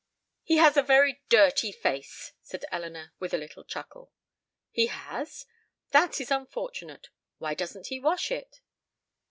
"He has a very dirty face," said Elinor, with a little chuckle. "He has? That is unfortunate. Why doesn't he wash it?"